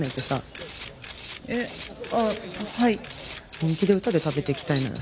本気で歌で食べていきたいならさ